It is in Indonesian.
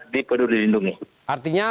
di peduli lindungi